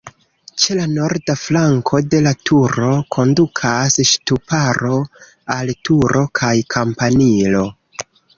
Ĉe la norda flanko de la turo kondukas ŝtuparo al turo kaj kampanilo.